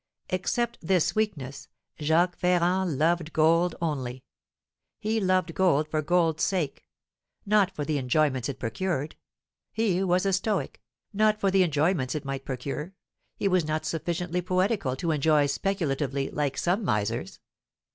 Except this weakness, Jacques Ferrand loved gold only. He loved gold for gold's sake; not for the enjoyments it procured, he was a stoic; not for the enjoyments it might procure, he was not sufficiently poetical to enjoy speculatively, like some misers.